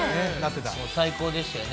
最高でしたよね。